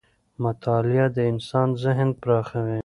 مطالعه د انسان ذهن پراخوي